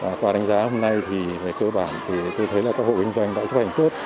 và qua đánh giá hôm nay thì về cơ bản thì tôi thấy là các hộ kinh doanh đã chấp hành tốt